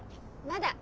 まだ。